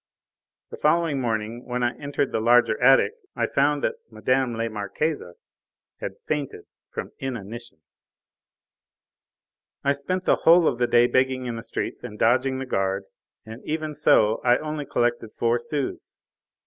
The following morning when I entered the larger attic I found that Mme. la Marquise had fainted from inanition. I spent the whole of the day begging in the streets and dodging the guard, and even so I only collected four sous.